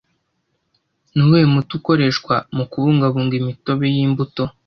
Nuwuhe muti ukoreshwa mukubungabunga imitobe yimbuto